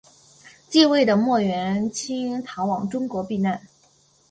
继位的莫元清逃往中国避难。